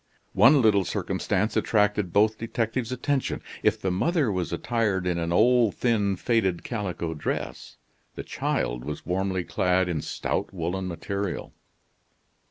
One little circumstance attracted both detectives' attention. If the mother was attired in an old, thin, faded calico dress, the child was warmly clad in stout woolen material.